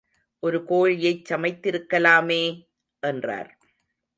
ஒரு கோழியைச் சமைத்திருக்கலாமே! என்றார்.